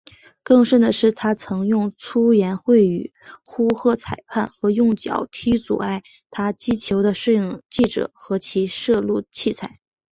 更甚的是他曾用粗言秽语呼喝裁判和用脚踢阻碍他击球的摄影记者和其摄录器材。